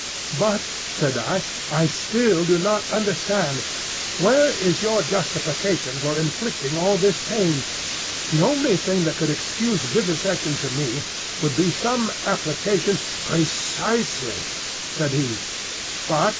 "But," said I, "I still do not understand. Where is your justification for inflicting all this pain? The only thing that could excuse vivisection to me would be some application—" "Precisely," said he.